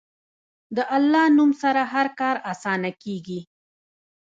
د الله نوم سره هر کار اسانه کېږي.